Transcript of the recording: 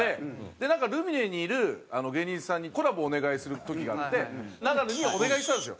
ルミネにいる芸人さんにコラボお願いする時があってナダルにお願いしたんですよ。